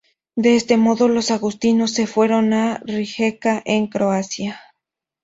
De este modo, los agustinos se fueron a Rijeka, en Croacia.